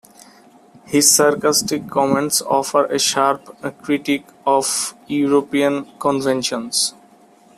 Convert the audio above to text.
His sarcastic comments offer a sharp critique of European conventions.